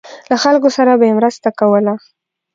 له خلکو سره به یې مرسته کوله.